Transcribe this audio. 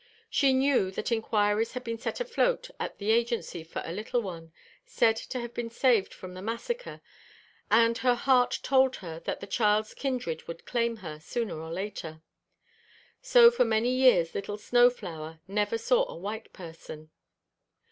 She knew that inquiries had been set afloat at the agency for a little one, said to have been saved from the massacre, and her heart told her that the child's kindred would claim her, sooner or later. So, for many years little Snow flower never saw a white person.